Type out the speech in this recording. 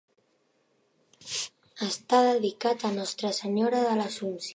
Està dedicat a Nostra Senyora de l'Assumpció.